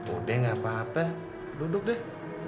udah gapapa duduk deh